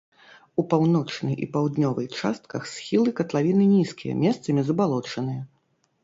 У паўночнай і паўднёвай частках схілы катлавіны нізкія, месцамі забалочаныя.